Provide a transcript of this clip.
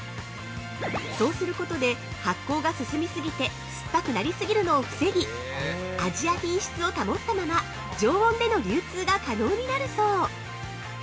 そうすることで、発酵が進みすぎて酸っぱくなりすぎるのを防ぎ、味や品質を保ったまま、常温での流通が可能になるそう。